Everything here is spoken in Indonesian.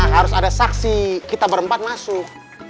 harus ada saksi kita berempat masuk